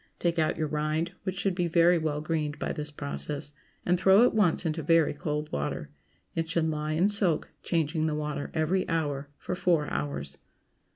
Take out your rind, which should be well greened by this process, and throw at once into very cold water. It should lie in soak, changing the water every hour, for four hours.